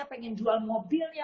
pengen jual mobilnya